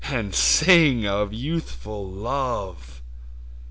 And sing of Youthful Love